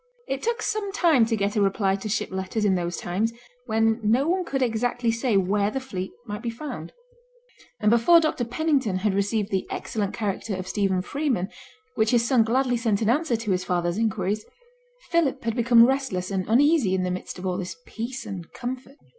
It took some time to get a reply to ship letters in those times when no one could exactly say where the fleet might be found. And before Dr Pennington had received the excellent character of Stephen Freeman, which his son gladly sent in answer to his father's inquiries, Philip had become restless and uneasy in the midst of all this peace and comfort.